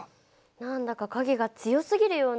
何だか影が強すぎるような。